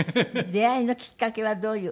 出会いのきっかけはどういう？